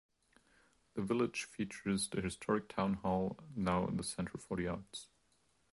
The village features the historic Town Hall, now the Centre for the Arts.